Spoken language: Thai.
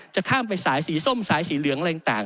จะข้ามไปสายสีส้มสายสีเหลืองอะไรต่าง